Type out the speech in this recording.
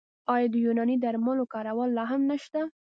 آیا د یوناني درملو کارول لا هم نشته؟